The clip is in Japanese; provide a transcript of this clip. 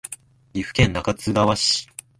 岐阜県中津川市